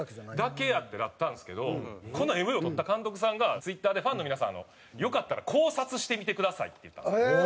「だけや」ってなったんですけどこのＭＶを撮った監督さんがＴｗｉｔｔｅｒで「ファンの皆さんよかったら考察してみてください」って言ったんですよ。